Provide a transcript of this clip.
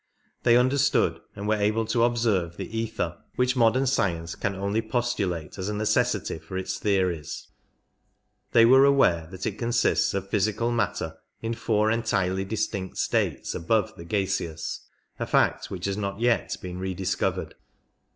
They understood and were able to observe the ether, which modern science can only' postulate as a necessity for its theories ; they were aware that it consists of physical matter in four entirely distinct states above the gaseous — a fact which has not yet been re discovered.